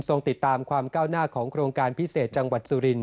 ติดตามความก้าวหน้าของโครงการพิเศษจังหวัดสุรินท